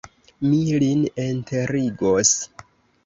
Mi lin enterigos.